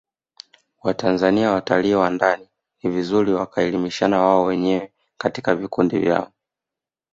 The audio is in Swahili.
Watanzania watalii wa ndani ni vizuri wakaelimishana wao wenyewe katika vikundi vyao